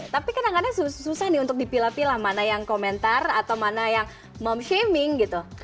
tapi kadang kadang susah nih untuk dipilah pilah mana yang komentar atau mana yang mem shaming gitu